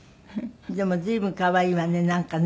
でも随分可愛いわねなんかね。